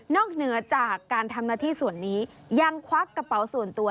เหนือจากการทำหน้าที่ส่วนนี้ยังควักกระเป๋าส่วนตัว